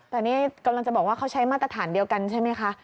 แต่นี่กำลังจะบอกว่าเขาใช้มาตรฐานเดียวกันใช่ไหมคะ